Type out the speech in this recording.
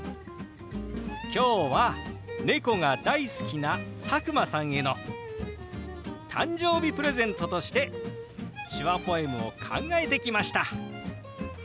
今日は猫が大好きな佐久間さんへの誕生日プレゼントとして手話ポエムを考えてきました。